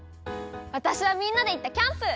わたしはみんなでいったキャンプ！